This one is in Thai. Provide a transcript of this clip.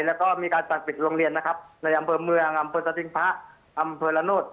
แล้วก็มีการสั่งปิดโรงเรียนนะครับในอำเภอเมืองอำเภอสติงพระอำเภอละโนธ